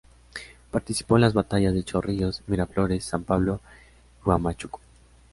Participó en las batallas de Chorrillos, Miraflores, San Pablo y Huamachuco.